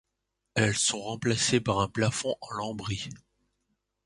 Elles sont remplacées par un plafond en lambris.